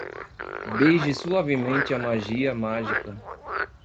Beije suavemente a magia mágica